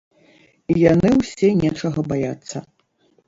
Яны ўсе нечага баяцца.